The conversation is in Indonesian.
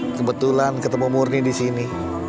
kebetulan ketemu murni disini